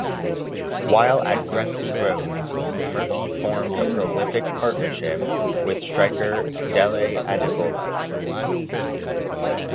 While at Gresty Road, Murphy formed a prolific partnership with striker Dele Adebola.